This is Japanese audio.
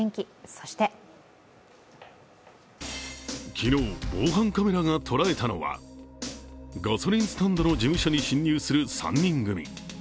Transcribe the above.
昨日防犯カメラが捉えたのはガソリンの事務所に侵入する３人組。